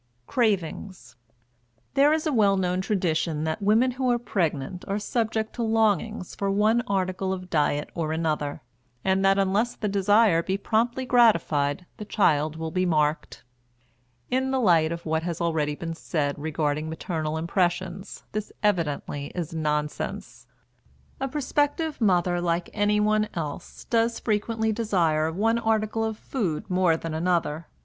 CRAVINGS. There is a well known tradition that women who are pregnant are subject to longings for one article of diet or another, and that unless the desire be promptly gratified the child will be "marked." In the light of what has already been said regarding maternal impressions, this evidently is nonsense. A prospective mother, like anyone else, does frequently desire one article of food more than another.